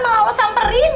masa malah lo samperin